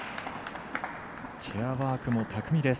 チェアワークも巧みです。